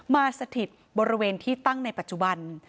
สถิตบริเวณที่ตั้งในปัจจุบัน